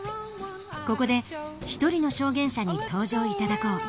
ここで一人の証言者に登場頂こう。